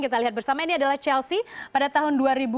kita lihat bersama ini adalah chelsea pada tahun dua ribu dua